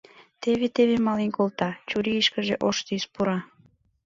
Теве-теве мален колта, чурийышкыже ош тӱс пура.